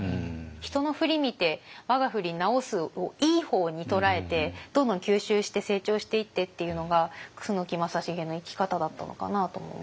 「人のふり見て我がふり直す」をいい方に捉えてどんどん吸収して成長していってっていうのが楠木正成の生き方だったのかなとも思いますね。